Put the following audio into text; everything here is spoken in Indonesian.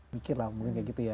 mikir lah mungkin kayak gitu ya